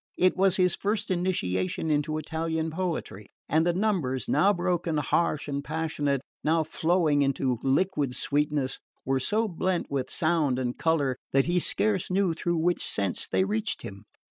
It was his first initiation into Italian poetry, and the numbers, now broken, harsh and passionate, now flowing into liquid sweetness, were so blent with sound and colour that he scarce knew through which sense they reached him.